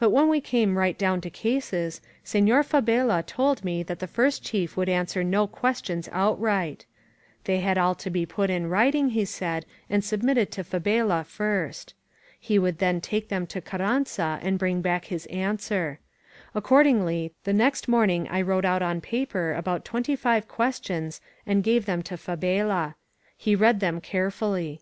But when we came right down to cases, Senor Fa bela told me that the First Chief would answer no questions outright. They had all to be put in writing, he said, and submitted to Fabela first. He would then take them to Carranza and bring back his answer. Ac cordingly, the next morning I wrote out on paper about twenty five questions and gave them to Fabela. He read them carefully.